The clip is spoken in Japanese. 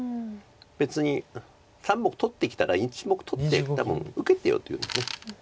別に３目取ってきたら１目取って多分受けてようというんです。